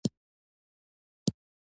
ډيپلوماسي د سوداګری تړونونه رامنځته کوي.